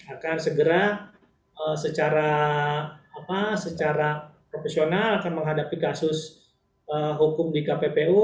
akan segera secara profesional akan menghadapi kasus hukum di kppu